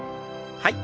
はい。